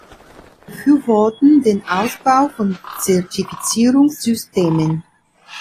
Wir befürworten den Ausbau von Zertifizierungssystemen.